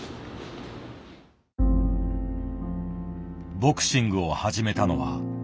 ボクシングを始めたのは６歳の時。